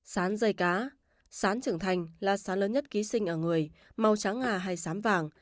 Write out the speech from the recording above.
sán dây cá sán trưởng thành là sán lớn nhất ký sinh ở người màu trắng à hay sán vàng